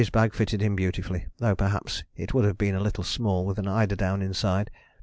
Wilson] Birdie's bag fitted him beautifully, though perhaps it would have been a little small with an eider down inside.